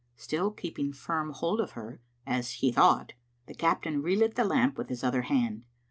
Still keeping firm hold of her, as he thought, the captain relit the lamp with his other hand.